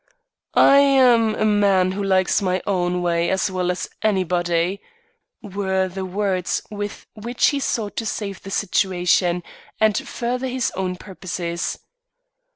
"I'm a man who likes my own way as well as anybody," were the words with which he sought to save the situation, and further his own purposes.